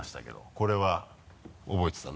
これは覚えてた？